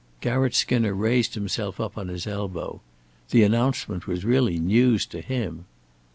Garratt Skinner raised himself up on his elbow. The announcement was really news to him.